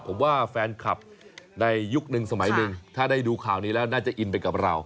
ผมว่าแฟนคลับในยุคนึงสมัยหนึ่งถ้าได้ดูข่าวนี้แล้วน่าจะอินไปกับเรา